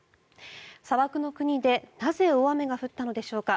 砂漠の国でなぜ大雨が降ったのでしょうか。